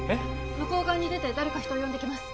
向こう側に出て誰か人を呼んできます